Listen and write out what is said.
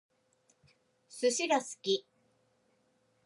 寿司が好き